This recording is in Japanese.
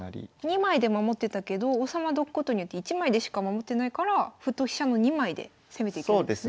２枚で守ってたけど王様どくことによって１枚でしか守ってないから歩と飛車の２枚で攻めていけるんですね。